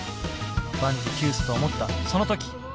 万事休すと思ったその時。